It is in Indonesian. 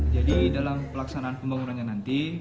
jadi dalam pelaksanaan pembangunannya nanti